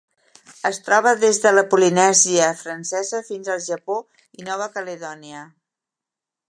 Es troba des de la Polinèsia Francesa fins al Japó i Nova Caledònia.